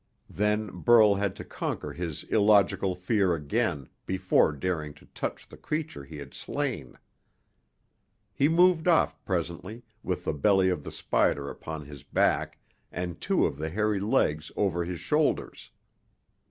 Then Burl had to conquer his illogical fear again before daring to touch the creature he had slain. He moved off presently, with the belly of the spider upon his back and two of the hairy legs over his shoulders.